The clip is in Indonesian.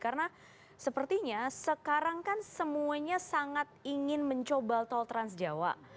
karena sepertinya sekarang kan semuanya sangat ingin mencoba tol trans jawa